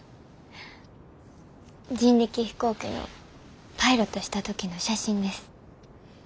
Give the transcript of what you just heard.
人力飛行機のパイロットした時の写真です。